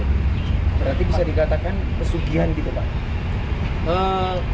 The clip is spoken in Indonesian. berarti bisa dikatakan kesugihan gitu pak